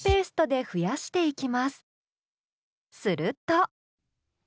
すると。